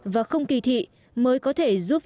và không kỳ thị mới có thể giúp